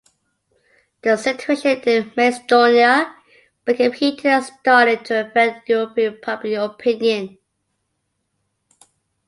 The situation in Macedonia became heated and started to affect European public opinion.